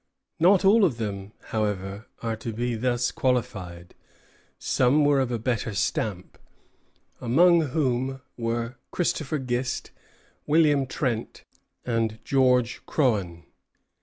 Not all of them, however, are to be thus qualified. Some were of a better stamp; among whom were Christopher Gist, William Trent, and George Croghan.